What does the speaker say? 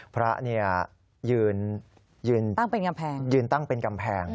พระเนี่ยยืนตั้งเป็นกำแพง